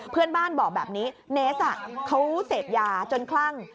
เพื่อนบ้านบอกแบบนี้เนสเขาเสพยาจนคลั่ง